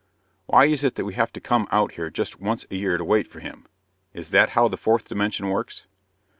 "Why is it that we have to come out here just once a year to wait for him? Is that how the fourth dimension works?"